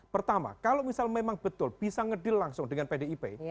pertama kalau misal memang betul bisa ngedil langsung dengan pdip